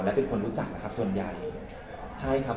การที่เราได้เงินมาเป็นเงินส่วนแบบที่เริ่มรู้จักนะครับ